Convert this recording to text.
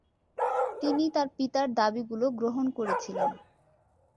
তিনি তার পিতার দাবিগুলো গ্রহণ করেছিলেন।